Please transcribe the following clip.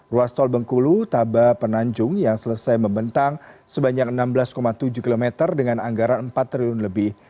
ruas tol bengkulu taba penanjung yang selesai membentang sebanyak enam belas tujuh km dengan anggaran empat triliun lebih